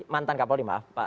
mantan kapolri maaf